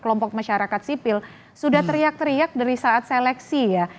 kelompok masyarakat sipil sudah teriak teriak dari saat seleksi ya